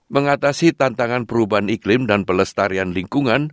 mengatasi tantangan perubahan iklim dan pelestarian lingkungan